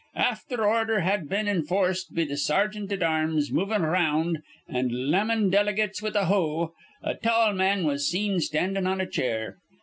Afther ordher had been enforced be th' sergeant at arms movin' round, an' lammin' diligates with a hoe, a tall man was seen standin' on a chair.